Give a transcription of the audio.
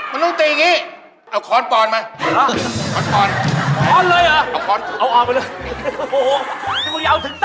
มันต้องตีอย่างนี้